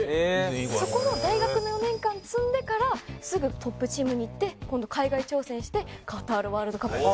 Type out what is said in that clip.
そこの大学の４年間積んでからすぐトップチームに行って今度海外挑戦してカタールワールドカップに。